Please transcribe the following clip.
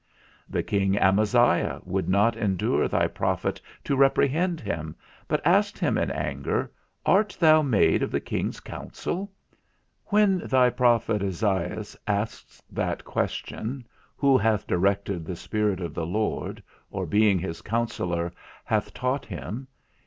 The king Amaziah would not endure thy prophet to reprehend him, but asked him in anger, Art thou made of the king's counsel? When thy prophet Esaias asks that question, _Who hath directed the spirit of the Lord, or being his counsellor, hath taught him?